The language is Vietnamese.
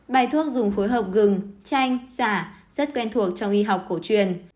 bài thuốc dùng phối hợp gừng chanh xả rất quen thuộc trong y học cổ truyền